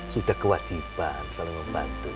sudah kewajiban selalu membantu